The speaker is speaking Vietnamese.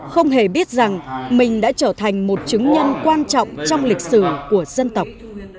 không hề biết rằng mình đã trở thành một chứng nhân quan trọng trong lịch sử của dân tộc